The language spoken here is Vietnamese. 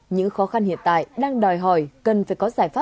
những khó khăn hiện tại đang đòi hỏi cần phải có giải pháp